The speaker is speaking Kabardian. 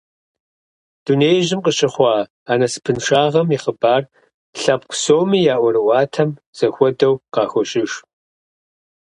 Дунеижьым къыщыхъуа а насыпыншагъэм и хъыбар лъэпкъ псоми я ӀуэрыӀуатэм зэхуэдэу къахощыж.